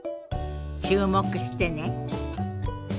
注目してね。